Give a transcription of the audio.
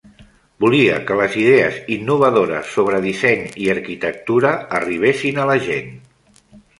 Volia que les idees innovadores sobre disseny i arquitectura arribessin a la gent.